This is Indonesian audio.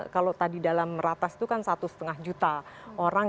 kalau tadi dalam ratas itu kan satu lima juta orang